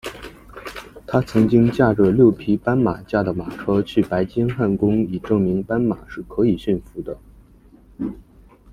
他曾经驾着由六匹斑马驾的马车去白金汉宫以证明斑马是可以驯服的。